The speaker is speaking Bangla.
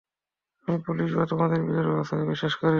আমি পুলিশ বা তোমাদের বিচার ব্যবস্থাকে বিশ্বাস করি না।